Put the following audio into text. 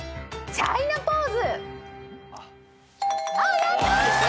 チャイナポーズ。